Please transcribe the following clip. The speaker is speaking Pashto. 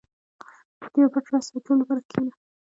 • د یو پټ راز ساتلو لپاره کښېنه.